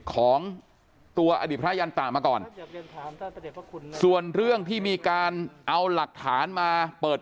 ของตัวอนาคตยันต์ตอนส่วนเรื่องที่มีการเอาหลักฐานมาเปิดเผย